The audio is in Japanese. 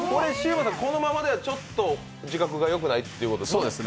このままではちょっと字画がよくないってことですよね？